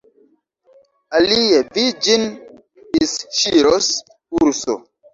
Alie vi ĝin disŝiros, urso!